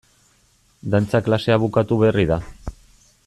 Dantza klasea bukatu berri da.